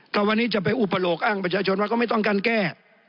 ถ้าวันนี้จะไปอุปโลกอ้างประชาชนว่าก็ไม่ต้องการแก้